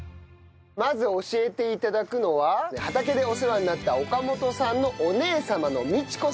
まず教えて頂くのは畑でお世話になった岡夲さんのお姉様の道子さんです。